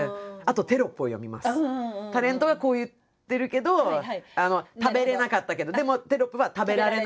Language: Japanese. タレントはこう言ってるけど「食べれなかった」だけどでもテロップは「食べられなかった」。